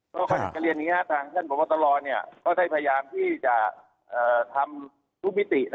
เขาก็เรียนอย่างนี้ทางด้านประพธนาบันทรณ์ก็ได้พยายามที่จะทำทุกมิติ